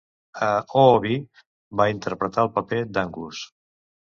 A "Oobi", va interpretar el paper d'Angus.